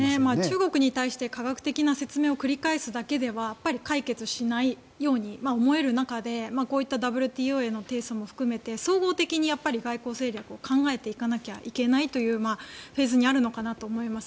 中国に対して科学的な説明を繰り返すだけでは解決しないように思える中でこういったＷＴＯへの提訴も含めて総合的に外交戦略を考えていかないといけないというフェーズにあるのかなと思います。